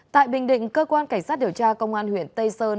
tại bình định cơ quan cảnh sát điều tra công an huyện tây sơn